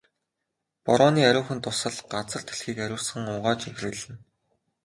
Борооны ариухан дусал газар дэлхийг ариусган угааж энхрийлнэ.